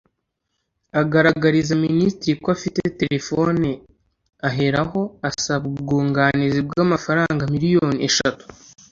agaragariza Minisitiri ko afite telefoni aheraho asaba ubwunganizi bw’amafaranga miliyoni eshatu